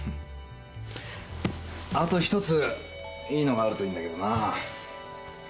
あとひとついいのがあるといいんだけどな。